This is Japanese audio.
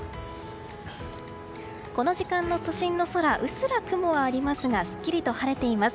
この時間の都心の空うっすら雲はありますがすっきりと晴れています。